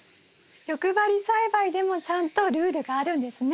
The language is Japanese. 欲張り栽培でもちゃんとルールがあるんですね。